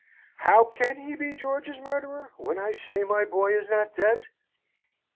How can he be George's murderer, when I say my boy is not dead?